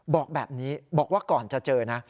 บอกแบบนี้บอกว่าก่อนจะเจอนะ